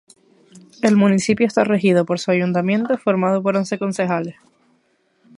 El municipio está regido por su ayuntamiento, formado por once concejales.